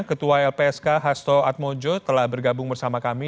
ketua lpsk hasto atmojo telah bergabung bersama kami